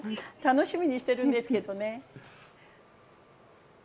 楽しみにしてるんですけどね。